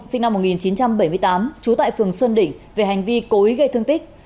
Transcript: sinh năm một nghìn chín trăm bảy mươi tám trú tại phường xuân đỉnh về hành vi cố ý gây thương tích